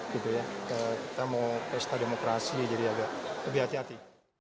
kita mau pesta demokrasi jadi agak lebih hati hati